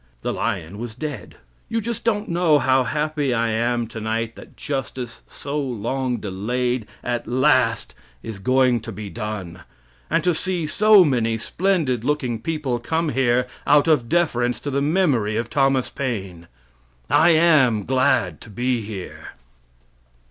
The lion was dead. You just don't know how happy I am tonight that justice so long delayed at last is going to be done, and to see so many splendid looking people come here out of deference to the memory of Thomas Paine. I am glad to be here.